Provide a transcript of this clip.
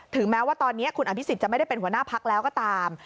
แม้ว่าตอนนี้คุณอภิษฎจะไม่ได้เป็นหัวหน้าพักแล้วก็ตาม